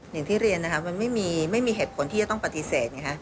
อย่างที่เรียนนะคะมันไม่มีเหตุผลที่จะต้องปฏิเสธไงคะ